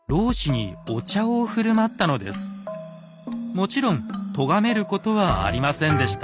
もちろんとがめることはありませんでした。